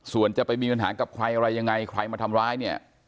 ส่วนจะไปมีปัญหากับใครอะไรยังไงใครมาทำร้ายเนี่ย